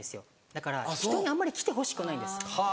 だから人にあんまり来てほしくないんです。